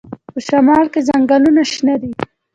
په شمال کې ځنګلونه شنه دي.